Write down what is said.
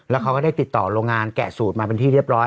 แล้วเขาก็ได้ติดต่อโรงงานแกะสูตรมาเป็นที่เรียบร้อย